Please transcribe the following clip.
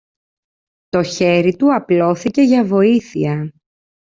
Το χέρι του απλώθηκε για βοήθεια